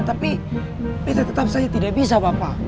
tapi kita tetap saja tidak bisa bapak